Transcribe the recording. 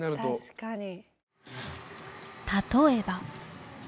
例えば。